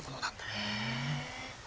へえ。